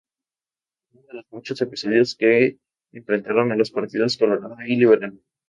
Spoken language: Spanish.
Fue uno de los muchos episodios que enfrentaron a los partidos Colorado y Liberal.